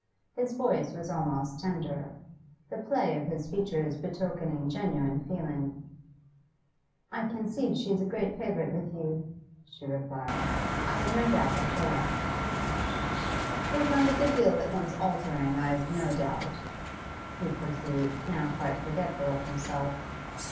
His voice was almost tender; the play of his features betokened genuine feeling. 'I can see she is a great favourite with you,' she replied. 'I have no doubt I shall like her.' 'You'll find a good deal that wants altering, I've no doubt,' he pursued, now quite forgetful of himself.